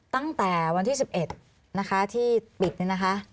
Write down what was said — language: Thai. ตั้งแต่วันที่๑๑นะคะที่ปิดเนี่ยนะคะ